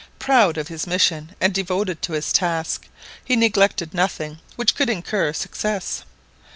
Proud of his mission, and devoted to his task; he neglected nothing which could insure success.